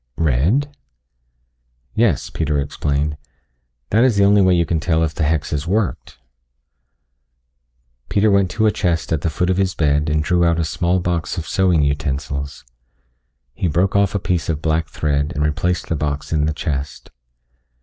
"Red?" "Yes," Peter explained, "That is the only way you can tell if the hex has worked." Peter went to a chest at the foot of his bed and drew out a small box of sewing utensils. He broke off a piece of black thread and replaced the box in the chest.